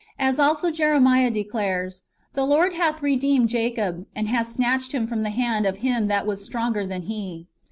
As also Jeremiah declares, " The Lord hath redeemed Jacob, and has snatched him from the hand of him that was stronger than he."